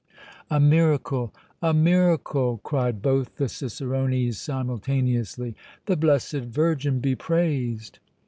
"A miracle! a miracle!" cried both the cicerones simultaneously. "The Blessed Virgin be praised!"